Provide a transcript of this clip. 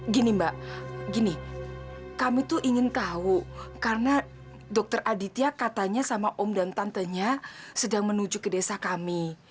gini mbak gini kami tuh ingin tahu karena dokter aditya katanya sama om dan tantenya sedang menuju ke desa kami